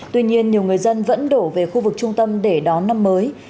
tuy nhiên nhiều người dân vẫn đổ về khu vực trung tâm để đón năm mới